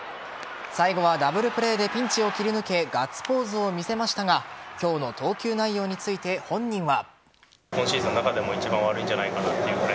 最後はダブルプレーでピンチを切り抜けガッツポーズを見せましたが今日の投球内容について、本人は。